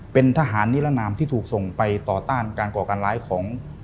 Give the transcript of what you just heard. เป็นทหารนิรนามที่ถูกส่งไปต่อต้านการก่อการร้ายของ